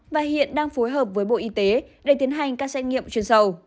và hiện đang phối hợp với bộ y tế để tiến hành các xét nghiệm chuyên sâu